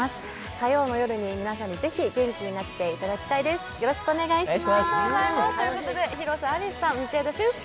火曜の夜に皆さんにぜひ元気になっていただきたいです、よろしくお願いします。